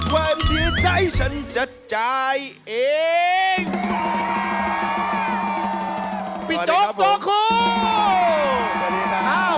สวัสดีครับ